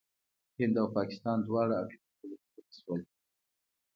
هند او پاکستان دواړه اټومي قدرتونه شول.